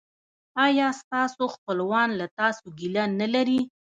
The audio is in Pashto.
ایا ستاسو خپلوان له تاسو ګیله نلري؟